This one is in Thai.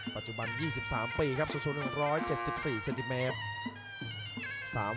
ปัจจุบัน๒๓ปีครับสูง๑๗๔เซนติเมตร